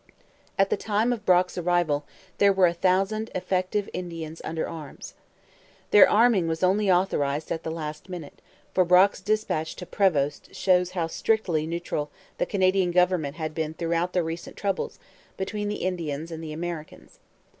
At the time of Brock's arrival there were a thousand effective Indians under arms. Their arming was only authorized at the last minute; for Brock's dispatch to Prevost shows how strictly neutral the Canadian government had been throughout the recent troubles between the Indians and Americans.